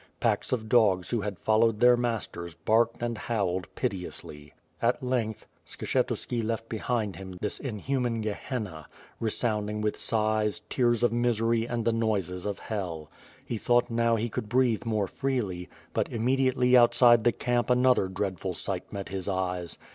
Packs of dogs who had followed their masters barked and howled piteously. At length Skshetuski left behind him this inhuman Ge henna, resounding with sighs, tears of misery and the noises of Hell. He thought now he could breatlie more freely, but immediately outside the camp another dreadful sight met his eyes.